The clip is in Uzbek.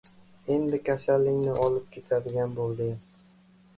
Endi... kasalingni olib ketadigan bo‘lding.